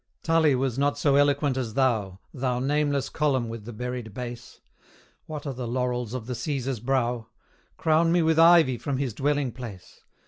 Tully was not so eloquent as thou, Thou nameless column with the buried base! What are the laurels of the Caesar's brow? Crown me with ivy from his dwelling place.